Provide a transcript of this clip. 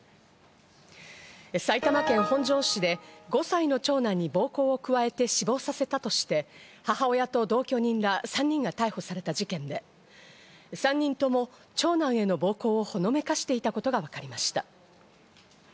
埼玉県本庄市で５歳の長男に暴行を加えて死亡させたとして、母親と同居人ら３人が逮捕された事件で、３人とも長男への暴行をほのめかしていたことが分かりました。